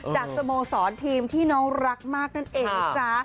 สโมสรทีมที่น้องรักมากนั่นเองนะจ๊ะ